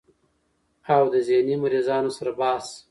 او د ذهني مريضانو سره بحث